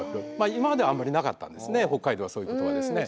今まではあんまりなかったんですね北海道はそういうことはですね。